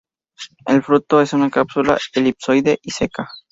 El fruto es una cápsula elipsoide y seca.